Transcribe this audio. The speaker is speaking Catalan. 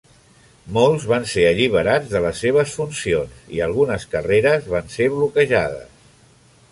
Molts van ser alliberats de les seves funcions, i algunes carreres van ser bloquejades.